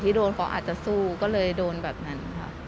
แล้วไม่ได้ระวังระวังหัวขนาดนั้น